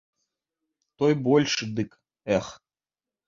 Той большы, дык, эх!